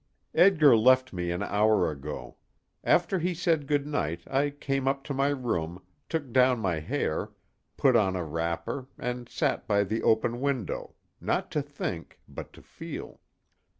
] Edgar left me an hour ago. After he said good night, I came up to my room, took down my hair, put on a wrapper, and sat by the open window, not to think, but to feel.